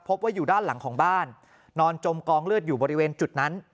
พบว่าอยู่ด้านหลังของบ้านนอนจมกองเลือดอยู่บริเวณจุดนั้น